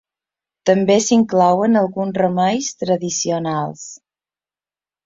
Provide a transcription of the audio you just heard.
També s'inclouen alguns remeis tradicionals.